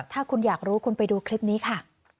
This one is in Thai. ถ้าคุณอยากรู้คุณไปดูคลิปนี้ค่ะ